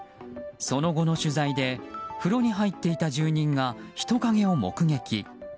その後の取材で風呂に入っていた住人が人影を目撃。